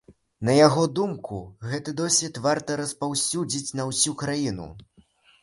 На яго думку, гэты досвед варта распаўсюдзіць на ўсю краіну.